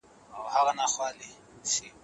زموږ بچي په سل په زر روپۍ خرڅیږي